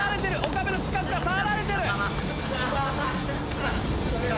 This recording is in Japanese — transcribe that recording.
岡部の近くが触られてる。